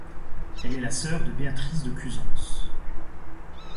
Elle est la sœur de Béatrice de Cusance.